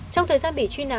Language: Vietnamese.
trong thời gian bị truy nã